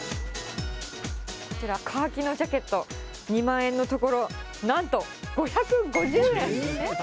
こちら、カーキのジャケット、２万円のところ、なんと５５０円。